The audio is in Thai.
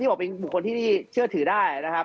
บอกเป็นบุคคลที่เชื่อถือได้นะครับ